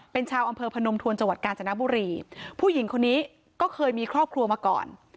เป็นชาวอำเภอพนมทวนจังหวัดกาญจนบุรีผู้หญิงคนนี้ก็เคยมีครอบครัวมาก่อน